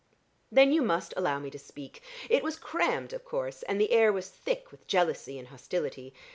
"Then you must allow me to speak. It was crammed, of course, and the air was thick with jealousy and hostility.